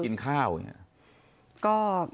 พ่อแม่ก็พาลูกไปกินข้าว